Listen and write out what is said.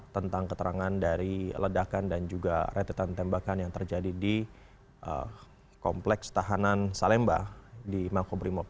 tentang keterangan dari ledakan dan juga rentetan tembakan yang terjadi di kompleks tahanan salemba di makobrimob